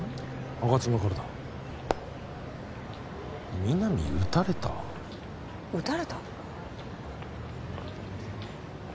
吾妻からだ「みなみうたれた」？うたれた？